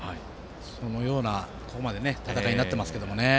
そのような、ここまでの戦いになっていますけどね。